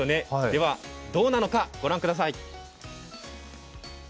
では、どうなのか御覧ください。